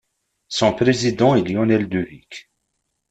Son président est Lionel Devic.